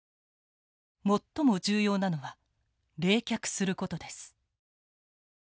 最も重要なのは冷却することです。